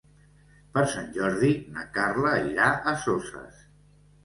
Per Sant Jordi na Carla irà a Soses.